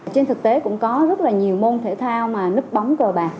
trên thực tế cũng có rất là nhiều môn thể thao mà núp bóng cờ bạc